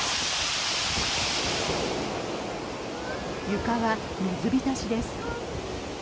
床は水浸しです。